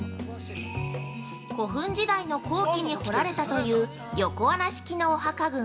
古墳時代の後期に掘られたという横穴式のお墓群。